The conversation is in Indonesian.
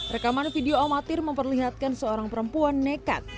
rekaman video amatir memperlihatkan seorang perempuan nekat